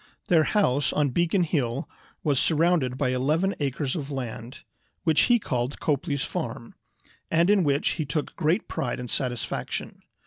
Their house on Beacon Hill was surrounded by eleven acres of land, which he called "Copley's Farm," and in which he took great pride and satisfaction.